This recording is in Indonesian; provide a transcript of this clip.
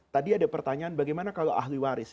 tadi ada pertanyaan bagaimana kalau ahli waris